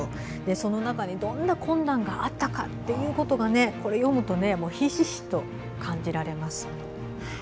その中にどんな困難があったかということをこれを読むとひしひしと感じられます。